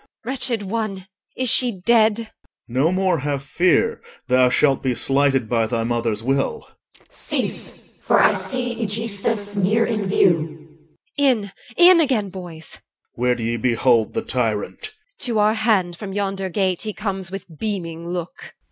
Wretched one, is she dead? OR. No more have fear Thou shalt be slighted by thy mother's will. CH. Cease, for I see Aegisthus near in view. EL. In, in again, boys! OR. Where do ye behold The tyrant? EL. To our hand from yonder gate He comes with beaming look.